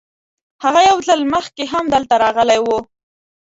هغه یو ځل مخکې هم دلته راغلی و.